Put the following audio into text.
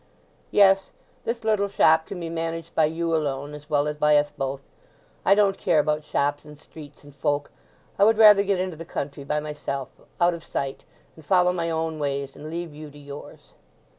"Yes, this little shop can be managed by you alone as well as by us both; I don't care about shops and streets and folk—I would rather get into the country by myself, out of sight, and follow my own ways, and leave you to yours."